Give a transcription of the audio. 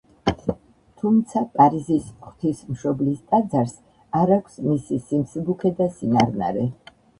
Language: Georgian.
თუმცა პარიზის ღვთისმშობლის ტაძარს არ აქვს მისი სიმსუბუქე და სინარნარე.